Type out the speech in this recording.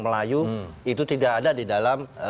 melayu itu tidak ada di dalam